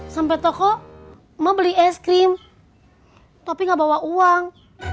sampai toko mau beli es krim tapi nggak bawa uang